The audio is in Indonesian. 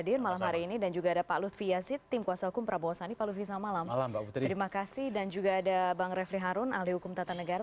dan juga ada bang refri harun ahli hukum tata negara